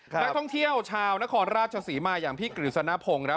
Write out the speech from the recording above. นักท่องเที่ยวชาวนครราชศรีมาอย่างพี่กฤษณพงศ์